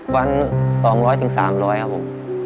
วัน๒๐๐๓๐๐ครับผม